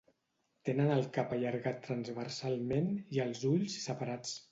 Tenen el cap allargat transversalment i els ulls separats.